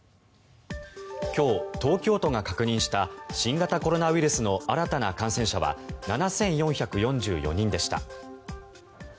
今日、東京都が確認した新型コロナウイルスの新たな感染者は７４４４人でした。